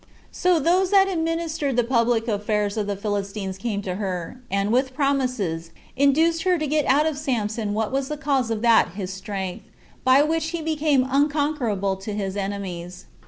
So those that administered the public affairs of the Philistines came to her, and, with promises, induced her to get out of Samson what was the cause of that his strength, by which he became unconquerable to his enemies.